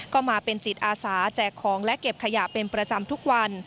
ก็มาเป็นจิตอาสาแจกของและเก็บขยะเป็นประจำทุกวัน